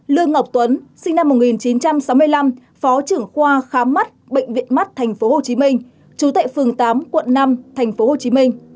lương ngọc tuấn sinh năm một nghìn chín trăm sáu mươi năm phó trưởng khoa khám mắt bệnh viện mắt tp hcm trú tại phường tám quận năm tp hcm